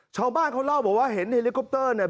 ชาวบ้านเขาเล่าบอกว่าเห็นเฮลิคอปเตอร์เนี่ย